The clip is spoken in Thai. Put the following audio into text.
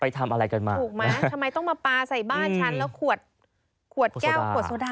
ทำอะไรกันมาถูกไหมทำไมต้องมาปลาใส่บ้านฉันแล้วขวดขวดแก้วขวดโซดา